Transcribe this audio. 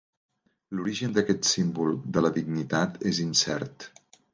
L'origen d'aquest símbol de la dignitat és incert.